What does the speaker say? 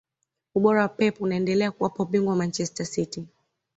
ubora wa pep unaendelea kuwapa ubingwa manchester city